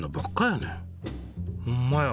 ほんまや。